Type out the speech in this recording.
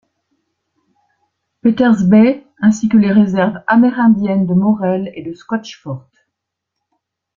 Peters Bay, ainsi que les réserves amérindienne de Morell et de Scotchfort.